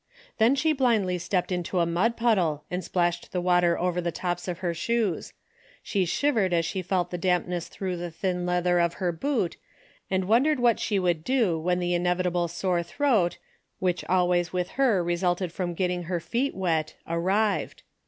Then she blindly stepped into a mud puddle and splashed the Avater over the tops of her shoes. She shivered as she felt the dampness through the thin leather of her boot, and Avondered what she would do Avhen the inevitable sore 74 A DAILY BATE.'' throat, which always with her resulted from getting her feet wet, arrived.